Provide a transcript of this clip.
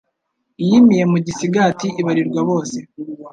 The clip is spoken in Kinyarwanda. Iyimiye mu gisigati ibarirwa bose